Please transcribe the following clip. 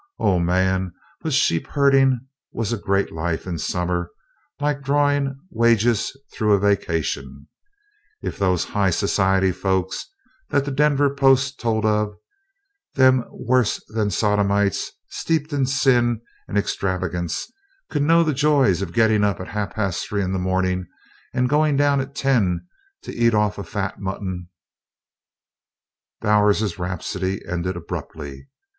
O man! but sheep herding was a great life in summer like drawing, wages through a vacation. If those "High Society" folks that the Denver Post told of, them worse than Sodomites, steeped in sin and extravagance, could know the joys of getting up at half past three in the morning and going down at ten to eat off a fat mutton Bowers's rhapsody ended abruptly.